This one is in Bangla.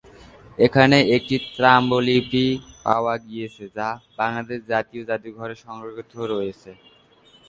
এখানে একটি তাম্রলিপি পাওয়া গিয়েছে যা বাংলাদেশ জাতীয় জাদুঘরে সংরক্ষিত রয়েছে।